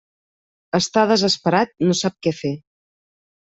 Està desesperat, no sap què fer.